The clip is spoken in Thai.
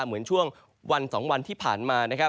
เหมือนช่วงวัน๒วันที่ผ่านมา